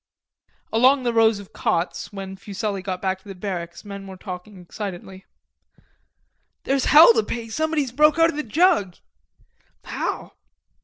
Along the rows of cots, when Fuselli got back to the barracks, men were talking excitedly. "There's hell to pay, somebody's broke out of the jug." "How?"